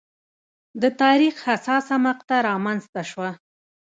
د تاریخ حساسه مقطعه رامنځته شوه.